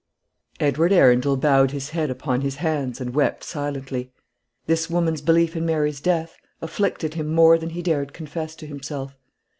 Edward Arundel bowed his head upon his hands and wept silently. This woman's belief in Mary's death afflicted him more than he dared confess to himself.